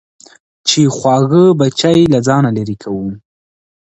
چې خواږه بچي له ځانه لېرې کوو.